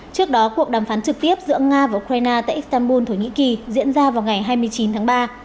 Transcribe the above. trước đó cuộc đàm phán trực tiếp giữa nga và ukraine tại istanbul thổ nhĩ kỳ diễn ra vào ngày hai mươi chín tháng ba